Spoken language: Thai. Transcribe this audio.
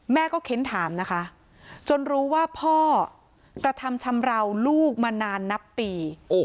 แม่ก็เค้นถามนะคะจนรู้ว่าพ่อกระทำชำราวลูกมานานนับปี